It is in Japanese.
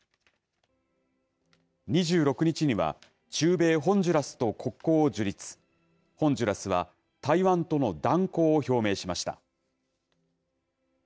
２６日には中米ホンジュラスと国交を樹立ホンジュラスは台湾との断交を表明しました。